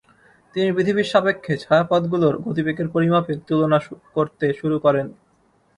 তিনি পৃথিবীর সাপেক্ষে ছায়াপথগুলোর গতিবেগের পরিমাপের তুলনা করতে শুরু করেন।